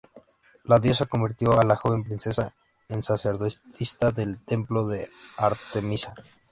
La diosa convirtió a la joven princesa en sacerdotisa del Templo de Artemisa.